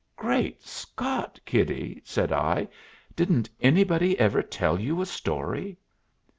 "Great Scott, kiddie!" said I, "didn't anybody ever tell you a story?"